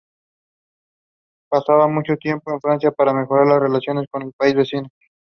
The first photographs of Vaasa is assumed to have been taken by her.